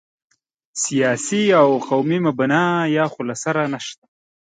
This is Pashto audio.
سیاسي او قومي مبنا یا خو له سره نشته.